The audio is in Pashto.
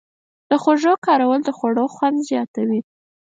د خوږو کارول د خوړو خوند زیاتوي.